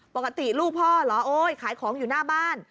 ปกติลูกพ่อเหรอโอ๊ยขายของอยู่หน้าบ้าน